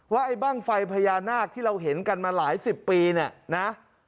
ไอ้บ้างไฟพญานาคที่เราเห็นกันมาหลายสิบปีเนี่ยนะ